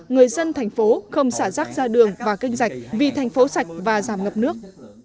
người dân thành phố không xả rác ra đường và canh rạch vì thành phố sạch và giảm ngập nước